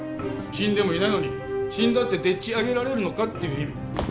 死んでもいないのに死んだってでっち上げられるのかっていう意味。